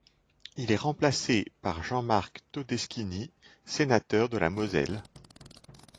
Il est remplacé par Jean-Marc Todeschini, sénateur de la Moselle.